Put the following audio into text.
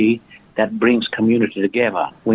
yang membawa komunitas bersama